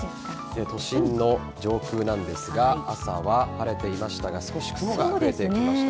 都心の上空なんですが朝は晴れていましたが少し雲が増えてきました。